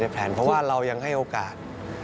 เพราะว่าเรายังให้โอกาส